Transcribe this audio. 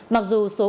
mặc dù số cải thiện